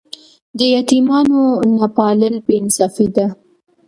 د یتیمانو نه پالل بې انصافي ده.